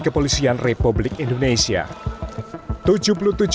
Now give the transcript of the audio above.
kepolisian republik indonesia tujuh puluh tujuh tahun